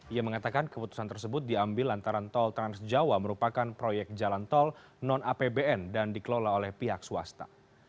ia mengatakan keputusan tersebut diambil antara tol transjawa merupakan proyek jalan tol non apbn dan dikelola oleh pihak swasta